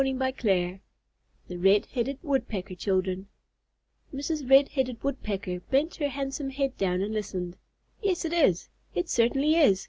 THE RED HEADED WOODPECKER CHILDREN Mrs. Red headed Woodpecker bent her handsome head down and listened. "Yes, it is! It certainly is!"